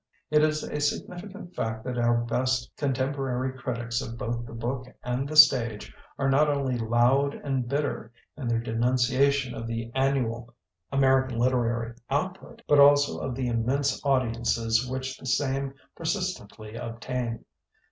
It is a sig nificant fact that our best contem porary critics of both the book and the stage are not only loud and bitter in their denunciation of the annual American literary output, but also of the inmiense audiences which the same persistently obtain.